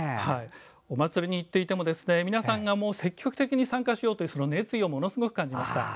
お祭りに行っていても皆さんが積極的に参加しようという熱意をものすごく感じました。